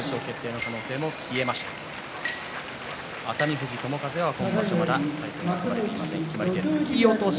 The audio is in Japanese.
熱海富士、友風はまだ取組が組まれていません。